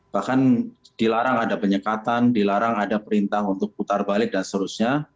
bahkan dilarang ada penyekatan dilarang ada perintah untuk putar balik dan seterusnya